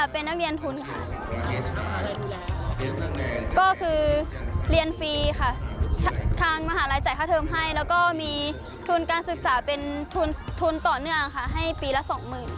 เป็นนักเรียนทุนค่ะก็คือเรียนฟรีค่ะทางมหาลัยจ่ายค่าเทิมให้แล้วก็มีทุนการศึกษาเป็นทุนต่อเนื่องค่ะให้ปีละสองหมื่น